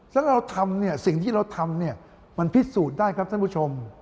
แล้วเราทำสิ่งที่เราทำมันพิสูจน์ได้ครับท่านผู้ชม